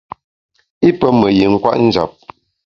I pe me yin kwet njap.